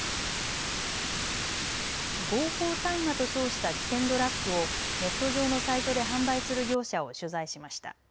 合法大麻と称した危険ドラッグをネット上のサイトで販売する業者を取材しました。